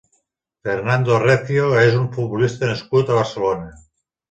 Fernando Recio és un futbolista nascut a Barcelona.